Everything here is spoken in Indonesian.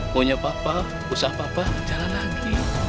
maunya papa usah papa jalan lagi